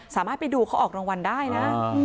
สามารถไปดูเขาออกรางวัลได้นะ